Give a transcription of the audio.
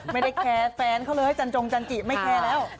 ไม่ได้แคร์แฟนเขาเลยให้จันจงจันจิไม่แคร์แล้ว